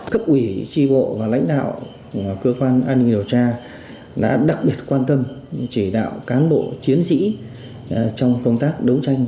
cấp ủy tri bộ và lãnh đạo cơ quan an ninh điều tra đã đặc biệt quan tâm chỉ đạo cán bộ chiến sĩ trong công tác đấu tranh